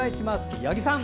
八木さん。